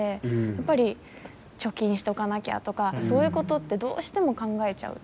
やっぱり貯金しとかなきゃとかそういうことってどうしても考えちゃう。